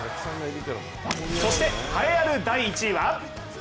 そして栄えある第１位は？